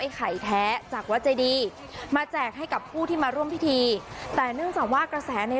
ไข่แท้จากวัดเจดีมาแจกให้กับผู้ที่มาร่วมพิธีแต่เนื่องจากว่ากระแสใน